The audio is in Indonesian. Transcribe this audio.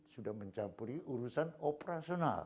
sudah mencampuri urusan operasional